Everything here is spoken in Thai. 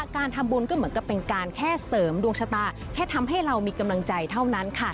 ก็แค่เสริมดวงชะตาแค่ทำให้เรามีกำลังใจเท่านั้นค่ะ